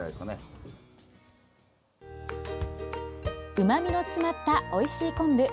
うまみの詰まったおいしい昆布。